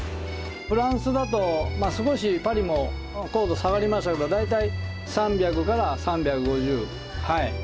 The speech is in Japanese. フランスだと少しパリも硬度下がりますけど大体３００３５０。